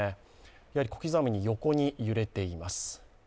やはり小刻みに横に揺れています。